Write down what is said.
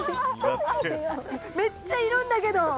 めっちゃいるんだけど。